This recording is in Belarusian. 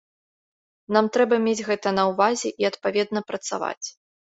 Нам трэба мець гэта на ўвазе і адпаведна працаваць.